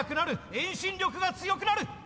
遠心力が強くなる！